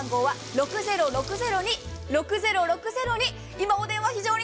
６０６０２